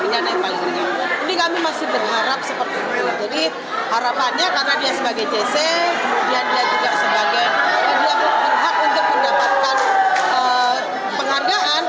ini kami masih berharap seperti itu jadi harapannya karena dia sebagai jc kemudian dia juga sebagai dia berhak untuk mendapatkan penghargaan